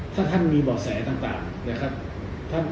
ถ้าท่านมีบ่อสแสต่าง